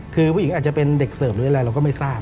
คือหวีอาจจะเป็นเด็กเสิร์ฟเราก็ไม่ทราบ